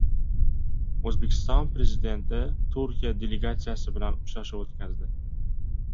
O‘zbekiston Prezidenti Turkiya delegatsiyasi bilan uchrashuv o‘tkazdi